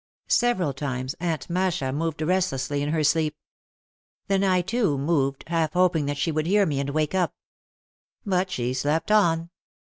Several times Aunt Masha moved restlessly in her sleep. Then I too, moved, half hoping that she would hear me and wake up. But she slept on.